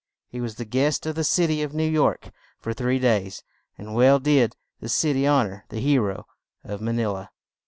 He was the guest of the cit y of New York for three days; and well did the cit y hon or the he ro of Ma ni la.